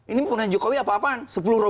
ini bukan jokowi apa apaan